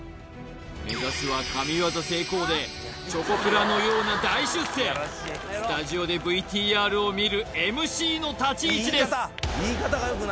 目指すは神業成功でチョコプラのような大出世スタジオでＶＴＲを見るＭＣの立ち位置です